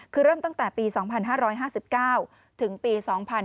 คือเริ่มตั้งแต่ปี๒๕๕๙ถึงปี๒๕๕๙